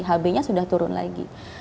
hbnya sudah turun lagi